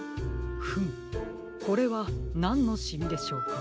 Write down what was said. フムこれはなんのシミでしょうか。